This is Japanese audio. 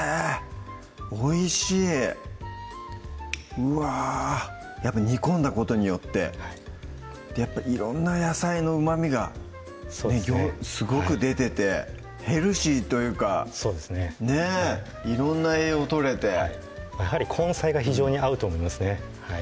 おいしいうわぁやっぱ煮込んだことによって色んな野菜のうまみがすごく出ててヘルシーというかそうですねねぇ色んな栄養とれてやはり根菜が非常に合うと思いますね